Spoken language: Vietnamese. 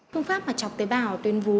phương pháp chọc tế bào tuyến vú